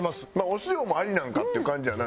お塩もありなんかっていう感じやな。